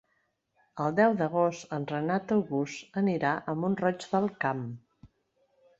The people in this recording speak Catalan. El deu d'agost en Renat August anirà a Mont-roig del Camp.